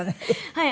はい。